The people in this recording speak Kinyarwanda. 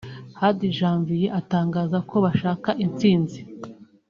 Hadi Janvier atangaza ko bashaka intsinzi